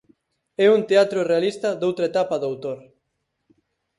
É un teatro realista doutra etapa do autor.